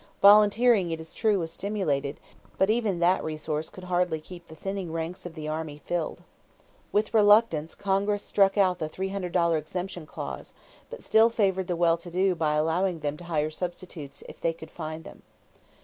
Volunteering, it is true, was stimulated, but even that resource could hardly keep the thinning ranks of the army filled. With reluctance Congress struck out the $300 exemption clause, but still favored the well to do by allowing them to hire substitutes if they could find them.